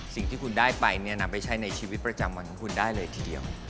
สิ่งที่คุณได้ไปเนี่ยนำไปใช้ในชีวิตประจำวันของคุณได้เลยทีเดียว